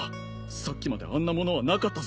さっきまであんなものはなかったぞ。